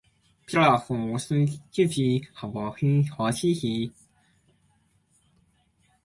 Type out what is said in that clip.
獅子よりも鰐よりも竜よりも、もっとおそろしい動物の本性を見るのです